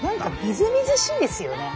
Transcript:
みずみずしいですよね。